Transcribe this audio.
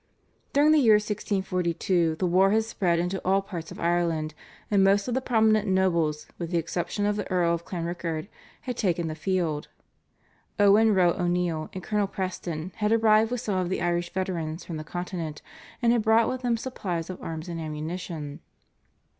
During the year 1642 the war had spread into all parts of Ireland, and most of the prominent nobles, with the exception of the Earl of Clanrickard, had taken the field. Owen Row O'Neill and Colonel Preston had arrived with some of the Irish veterans from the Continent, and had brought with them supplies of arms and ammunition.